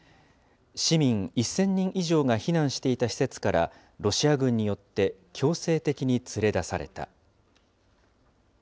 市民１０００人以上が避難していた施設からロシア軍によって強制的に連れ出された。